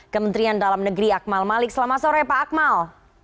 kementerian dalam negeri akmal malik selamat sore pak akmal